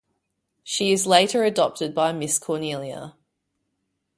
She is later adopted by Miss Cornelia.